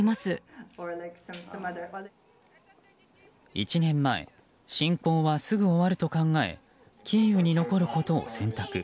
１年前侵攻はすぐ終わると考えキーウに残ることを選択。